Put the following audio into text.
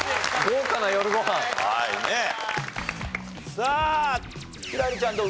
さあ輝星ちゃんどう？